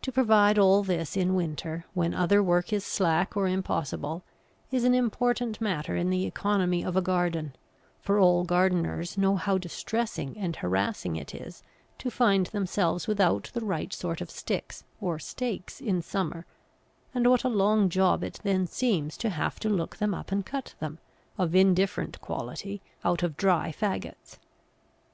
To provide all this in winter, when other work is slack or impossible, is an important matter in the economy of a garden, for all gardeners know how distressing and harassing it is to find themselves without the right sort of sticks or stakes in summer, and what a long job it then seems to have to look them up and cut them, of indifferent quality, out of dry faggots.